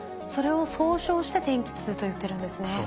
それを総称して「天気痛」といってるんですね。